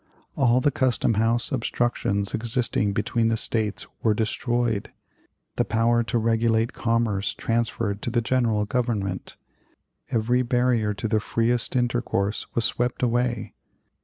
All the custom house obstructions existing between the States were destroyed; the power to regulate commerce transferred to the General Government. Every barrier to the freest intercourse was swept away.